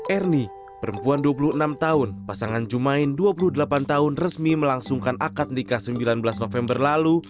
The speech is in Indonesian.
ernie perempuan dua puluh enam tahun pasangan jumain dua puluh delapan tahun resmi melangsungkan akad nikah sembilan belas november lalu